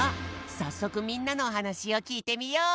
さっそくみんなのおはなしをきいてみよう。